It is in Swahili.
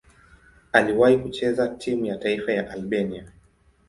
Aliwahi kucheza timu ya taifa ya Albania.